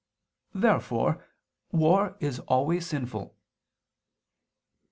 Therefore war is always sinful.